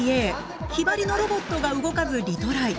ヒバリのロボットが動かずリトライ。